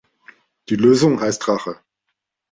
Die Lösung heißt Rache.